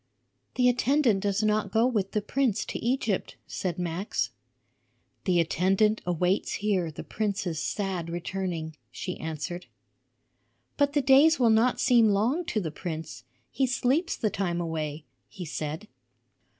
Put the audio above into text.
"The attendant does not go with the prince to Egypt," said Max. "The attendant awaits here the prince's sad returning," she answered. "But the days will not seem long to the prince; he sleeps the time away," he said.